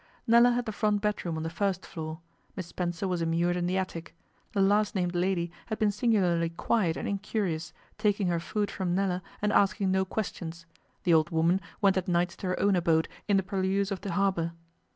Nella had the front bedroom on the first floor; Miss Spencer was immured in the attic; the last named lady had been singularly quiet and incurious, taking her food from Nella and asking no questions, the old woman went at nights to her own abode in the purlieus of the harbour.